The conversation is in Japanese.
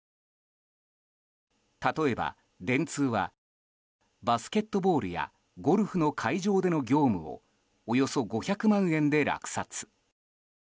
例えば、電通はバスケットボールやゴルフの会場での業務をおよそ５００万円で落札。